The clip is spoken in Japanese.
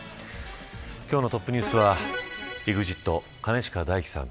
今日のトップニュースはＥＸＩＴ、兼近大樹さん。